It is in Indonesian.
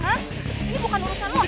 ini bukan urusan lo